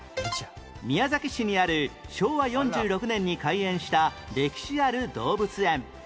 宮崎市にある昭和４６年に開園した歴史ある動物園